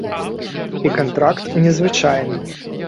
І кантракт не звычайны.